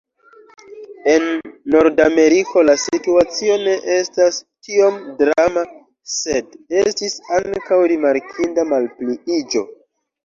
En Nordameriko la situacio ne estas tiom drama, sed estis ankaŭ rimarkinda malpliiĝo.